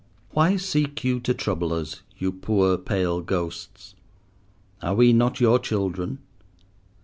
Why seek you to trouble us, you poor pale ghosts? Are we not your children?